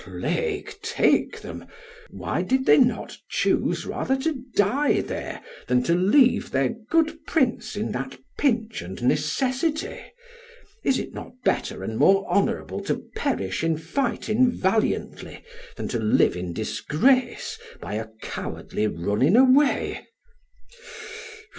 A plague take them; why did they not choose rather to die there than to leave their good prince in that pinch and necessity? Is it not better and more honourable to perish in fighting valiantly than to live in disgrace by a cowardly running away?